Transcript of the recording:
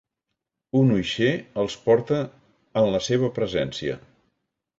Un uixer els porta en la seva presència.